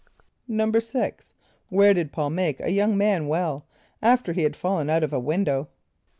= =6.= Where did P[a:]ul make a young man well, after he had fallen out of a window?